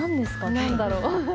何だろう。